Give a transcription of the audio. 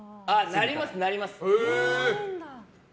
なります、なります。